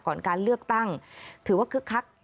ก่อนการเลือกตั้งถือว่าคึกคัก